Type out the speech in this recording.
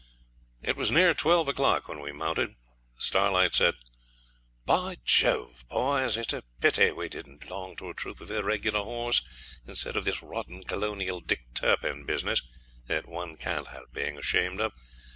It was near twelve o'clock when we mounted. Starlight said 'By Jove, boys, it's a pity we didn't belong to a troop of irregular horse instead of this rotten colonial Dick Turpin business, that one can't help being ashamed of.